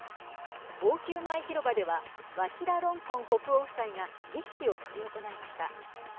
王宮前広場ではワチラロンコン国王夫妻が儀式を執り行いました。